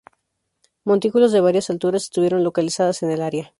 Montículos de varias alturas estuvieron localizadas en el área.